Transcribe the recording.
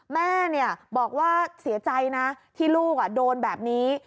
แม่บอกว่าเสียใจนะที่ลูกโดนแบบนี้